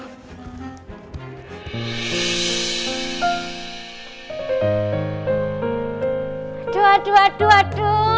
aduh aduh aduh aduh